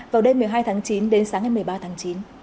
vào đêm một mươi hai tháng chín đến sáng ngày một mươi ba tháng chín